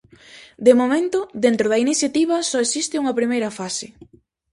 De momento, dentro da iniciativa só existe unha primeira fase.